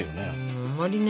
うんあんまりね。